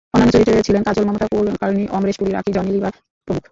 অন্যান্য চরিত্রে ছিলেন কাজল, মমতা কুলকার্নি, অমরেশ পুরী, রাখি, জনি লিভার প্রমুখ।